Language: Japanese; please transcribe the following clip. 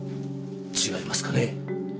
違いますかね？